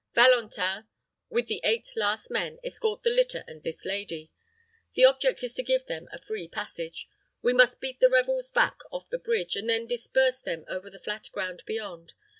Valentin, with the eight last men, escort the litter and this lady. The object is to give them a free passage. We must beat the rebels back off the bridge, and then disperse them over the flat ground beyond.